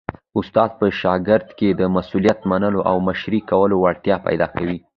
استاد په شاګرد کي د مسؤلیت منلو او مشرۍ کولو وړتیا پیدا کوي.